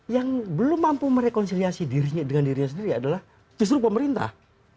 yang belum mampu merekonsiliasi dirinya dengan dirinya sendiri adalah justru pemerintah